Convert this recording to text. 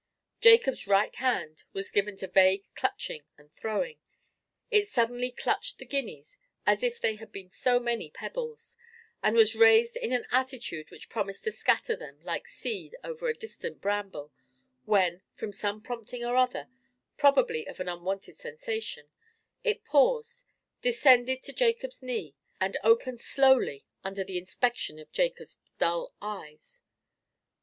Jacob's right hand was given to vague clutching and throwing; it suddenly clutched the guineas as if they had been so many pebbles, and was raised in an attitude which promised to scatter them like seed over a distant bramble, when, from some prompting or other—probably of an unwonted sensation—it paused, descended to Jacob's knee, and opened slowly under the inspection of Jacob's dull eyes.